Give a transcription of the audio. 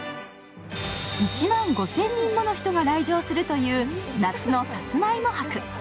１万５０００人もの人が来場するという夏のさつまいも博。